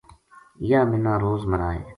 یاہ منا روز مرائے